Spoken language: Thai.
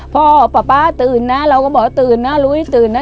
พ่อป๊าป๊าตื่นนะเราก็บอกว่าตื่นนะรู้ให้ตื่นนะ